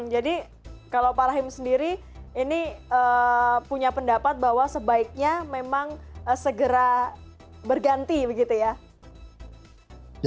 jadi kalau pak rahim sendiri ini punya pendapat bahwa sebaiknya memang segera berganti begitu ya